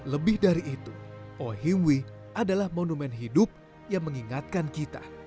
lebih dari itu ohimwi adalah monumen hidup yang mengingatkan kita